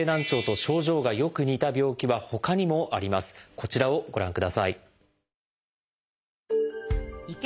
こちらをご覧ください。